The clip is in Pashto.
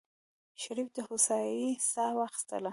شريف د هوسايۍ سا واخيستله.